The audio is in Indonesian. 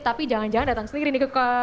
tapi jangan jangan datang sendiri nih ke